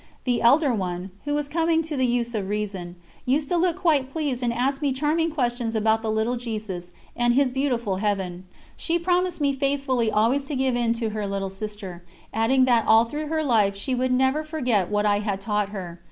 The elder one, who was coming to the use of reason, used to look quite pleased and asked me charming questions about the little Jesus and His beautiful Heaven. She promised me faithfully always to give in to her little sister, adding that all through her life she would never forget what I had taught her.